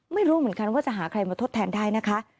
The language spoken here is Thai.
ไม่รู้เหมือนกันว่าจะหาใครมาทดแทนได้นะคะ